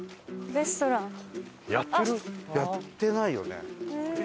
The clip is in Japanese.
やってないよね？